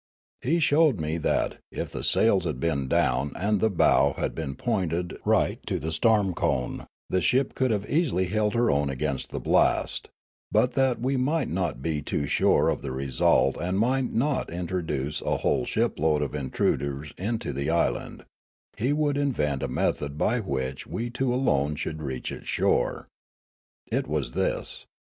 He showed me that, if the sails had been down and the bow had been pointed right to the storm cone, the ship could have easily held her own against the blast ; but, that we might not be too sure of the result and might not intro duce a whole shipload of intruders into the island, he would invent a method by which we two alone should reach its shore. It was this.